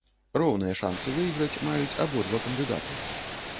Роўныя шанцы выйграць маюць абодва кандыдаты.